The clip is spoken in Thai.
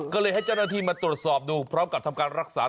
ก็เลยให้เจ้าหน้าที่มาตรวจสอบดูพร้อมกับทำการรักษา